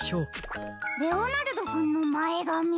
レオナルドくんのまえがみ。